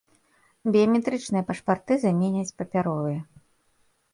Біяметрычныя пашпарты заменяць папяровыя.